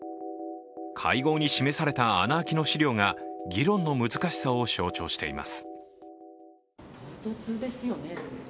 会合に示された穴あきの資料が議論の難しさを象徴しています。